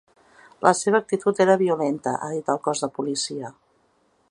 La seva actitud era violenta, ha dit el cos de policia.